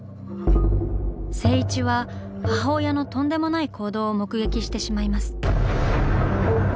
静一は母親のとんでもない行動を目撃してしまいます。